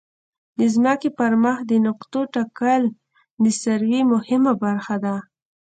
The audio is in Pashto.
د ځمکې پر مخ د نقطو ټاکل د سروې مهمه برخه ده